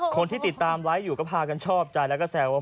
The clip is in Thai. คนที่ติดตามไลฟ์อยู่ก็พากันชอบใจแล้วก็แซวว่า